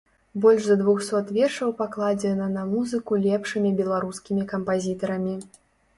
Больш за двухсот вершаў пакладзена на музыку лепшымі беларускімі кампазітарамі.